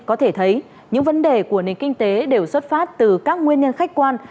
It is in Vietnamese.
có thể thấy những vấn đề của nền kinh tế đều xuất phát từ các nguyên nhân khách quan